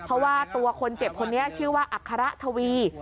เพราะว่าตัวคนเจ็บคนนี้ชื่อว่าอัคระทวี